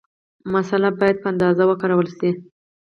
مساله باید په اندازه وکارول شي.